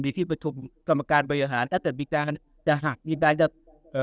สิบที่ของสมการบริหารถ้าเกิดพิจารณจะหักมีได้จะเอ่อ